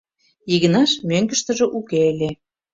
Игнаш мӧҥгыштыжӧ уке ыле.